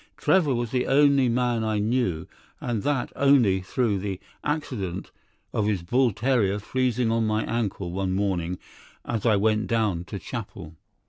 Trevor was the only man I knew, and that only through the accident of his bull terrier freezing on to my ankle one morning as I went down to chapel.